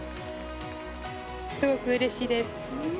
すごくうれしいです。